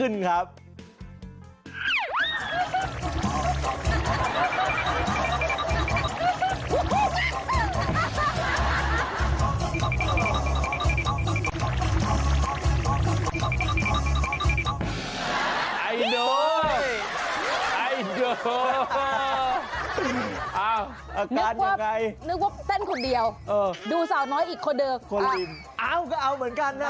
เอาก็เอาเหมือนกันนะครับ